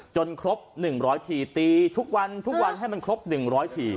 ครบ๑๐๐ทีตีทุกวันทุกวันให้มันครบ๑๐๐ที